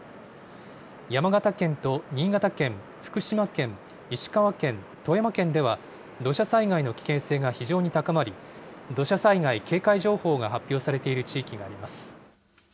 山形県と新潟県、福島県、石川県、富山県では、土砂災害の危険性が非常に高まり、土砂災害警戒情報が発表されている地域があります。